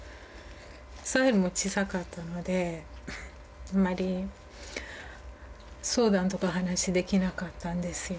サヘルも小さかったのであんまり相談とか話できなかったんですよ。